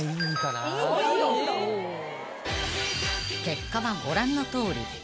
［結果はご覧のとおり］